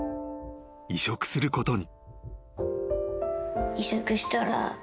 ［移植することに］